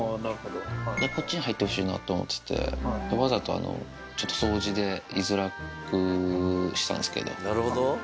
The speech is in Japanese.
こっちに入ってほしいなと思ってて、わざとちょっと掃除で居づらくしたんすけど。